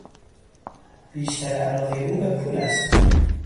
بیشتر علاقهی او به پول است.